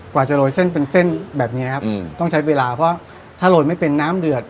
กว่าจะโรยเส้นเป็นเส้นแบบนี้ครับต้องใช้เวลาเพราะถ้าโรยไม่เป็นน้ำเดือด